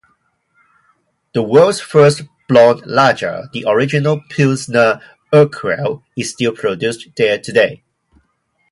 The world's first blond lager, the original Pilsner Urquell, is still produced there today.